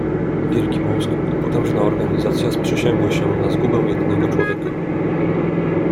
"Wielki mózg i potężna organizacja sprzysięgły się na zgubę jednego człowieka."